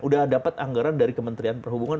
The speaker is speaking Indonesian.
udah dapat anggaran dari kementerian perhubungan